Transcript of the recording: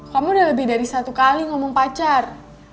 kamu udah lebih dari satu kali ngomong pacar